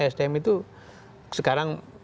sdm itu sekarang